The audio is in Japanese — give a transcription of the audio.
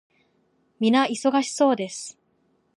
皆忙しそうです。